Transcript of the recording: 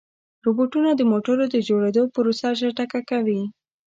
روبوټونه د موټرو د جوړېدو پروسه چټکه کوي.